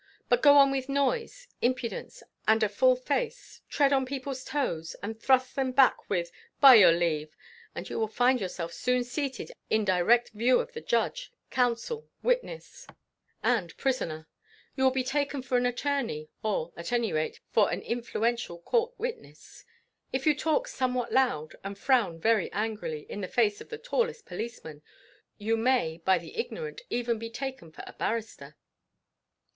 But go on with noise, impudence, and a full face; tread on people's toes, and thrust them back with "by your leave," and you will find yourself soon seated in direct view of the judge, counsel, witness and prisoner. You will be taken for an attorney, or, at any rate, for an influential court witness. If you talk somewhat loud, and frown very angrily in the face of the tallest policeman, you may by the ignorant even be taken for a barrister.